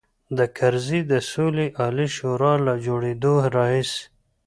د کرزي د سولې عالي شورا له جوړېدلو راهیسې.